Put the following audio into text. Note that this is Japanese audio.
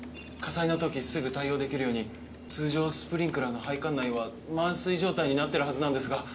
火災の時すぐ対応できるように通常スプリンクラーの配管内は満水状態になってるはずなんですが。